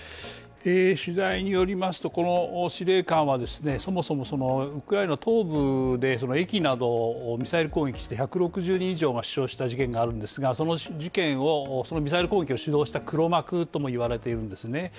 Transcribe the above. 取材によりますと、この司令官は、そもそもウクライナ東部で駅などをミサイル攻撃して１６０人以上が死傷した事件があるんですがその事件、ミサイル攻撃を主導した黒幕ともいわれているんですね。